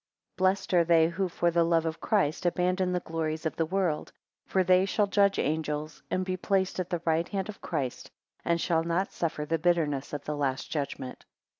21 Blessed are they, who for the love of Christ abandon the glories of the world, for they shall judge angels, and be placed at the right hand of Christ, and shall not suffer the bitterness of the last judgment.